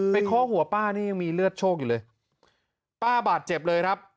เคาะหัวป้านี่ยังมีเลือดโชคอยู่เลยป้าบาดเจ็บเลยครับ